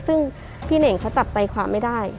ซึ่งพี่เน่งเขาจับใจความไม่ได้